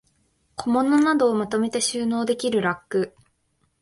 小物などをまとめて収納できるラック